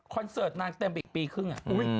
เสิร์ตนางเต็มไปอีกปีครึ่ง